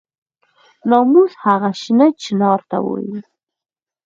ناموس هغه شنه چنار ته وایي.